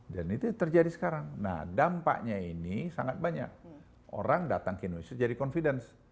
dan itu terjadi sekarang nah dampaknya ini sangat berbeda